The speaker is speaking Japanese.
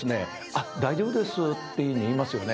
「あっ大丈夫です」って言いますよね。